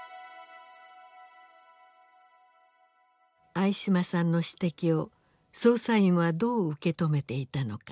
相嶋さんの指摘を捜査員はどう受け止めていたのか。